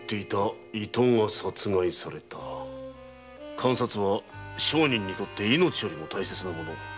鑑札は商人にとって命よりも大切なものだ。